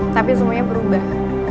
tapi semuanya berubah